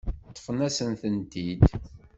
Ṭṭfent-asen-tent-id.